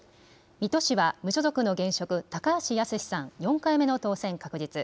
水戸市は無所属の現職、高橋靖さん、４回目の当選確実。